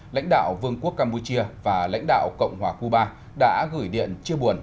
lãnh đạo vương quốc campuchia và lãnh đạo cộng hòa cuba đã gửi điện chia buồn